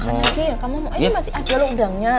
makan aja ya kamu mau aja masih aja loh udangnya